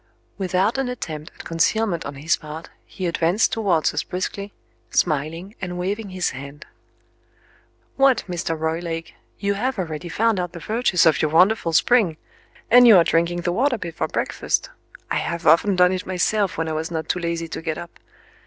Without an attempt at concealment on his part, he advanced towards us briskly, smiling and waving his hand. "What, Mr. Roylake, you have already found out the virtues of your wonderful spring, and you are drinking the water before breakfast! I have often done it myself when I was not too lazy to get up.